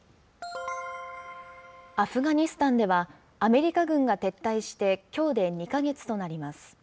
アフガニスタンでは、アメリカ軍が撤退してきょうで２か月となります。